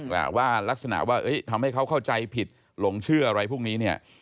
ว่ารักษณะว่าทำให้เขาเข้าใจผิดหลงเชื่ออะไรพวกนี้เนี่ย